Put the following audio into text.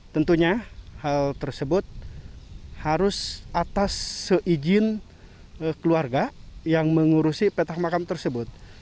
tentunya hal tersebut harus atas seizin keluarga yang mengurusi petak makam tersebut